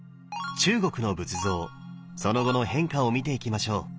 中国の仏像その後の変化を見ていきましょう。